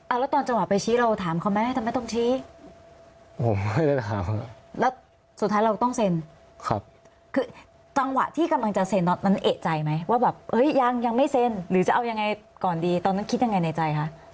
แล้วตอนจังหวะไปชี้เราถามเขาไหมทำไมต้องชี้ผมไม่ได้ถามแล้วสุดท้ายเราต้องเซ็นครับคือจังหวะที่กำลังจะเซ็นตอนนั้นเอกใจไหมว่าแบบเอ้ยยังยังไม่เซ็นหรือจะเอายังไงก่อนดีตอนนั้นคิดยังไงในใจคะ